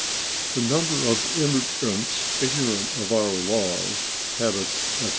The number of immigrants ignorant of our laws, habits, etc.